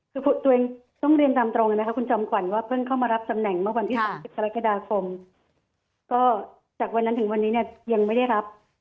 คือตัวเองต้องเรียนตามตรงนะคะคุณจอมขวัญว่าเพิ่งเข้ามารับตำแหน่งเมื่อวันที่๓๐กรกฎาคมก็จากวันนั้นถึงวันนี้เนี่ยยังไม่ได้รับ